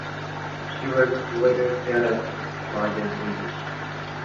She was later scuttled by the British.